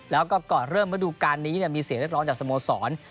แล้วก็ก่อนเริ่มฤดูการนี้มีเสียงเรียกร้องจากสโมสร